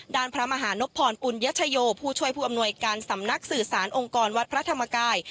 พระมหานพรปุญญชโยผู้ช่วยผู้อำนวยการสำนักสื่อสารองค์กรวัดพระธรรมกาย